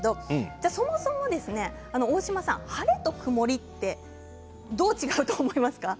そもそも、大島さん晴れと曇りってどう違うと思いますか？